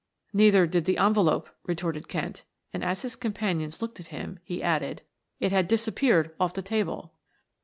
"Neither did the envelope," retorted Kent, and as his companions looked at him, he added. "It had disappeared off the table."